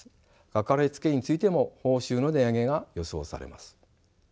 かかりつけ医についても報酬の値上げが予想されます。